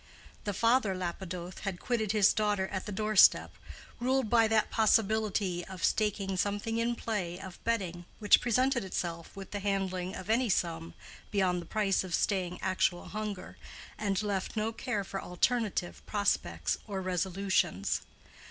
The father Lapidoth had quitted his daughter at the doorstep, ruled by that possibility of staking something in play or betting which presented itself with the handling of any sum beyond the price of staying actual hunger, and left no care for alternative prospects or resolutions.